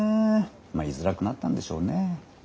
まあいづらくなったんでしょうね。